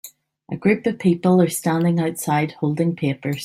A group of people are standing outside holding papers